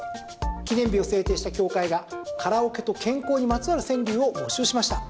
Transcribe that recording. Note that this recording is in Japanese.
記念日を制定した協会がカラオケと健康にまつわる川柳を募集しました。